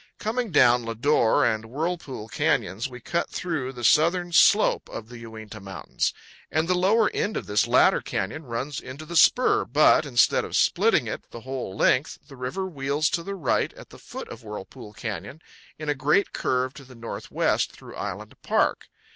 Coming down Lodore powell canyons 120.jpg VIEW OF SIIUMOPAVI. and Whirlpool canyons, we cut through the southern slope of the Uinta Mountains; and the lower end of this latter canyon runs into the spur, but, instead of splitting it the whole length, the river wheels to the right at the foot of Whirlpool Canyon in a great curve to the northwest through Island Park.